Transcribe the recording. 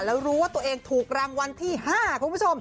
แล้วรู้ว่าตัวเองถูกรางวัลที่๕คุณผู้ชม